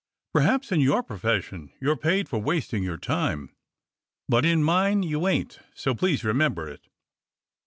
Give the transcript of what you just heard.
Perhaps in your profession you are paid for wastin' your time, but in mine you ain't, so please remember it.